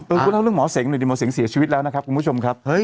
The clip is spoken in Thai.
คุณเล่าเรื่องหมอเสงหน่อยดิหมอเสงเสียชีวิตแล้วนะครับคุณผู้ชมครับ